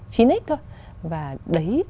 chín x thôi và đấy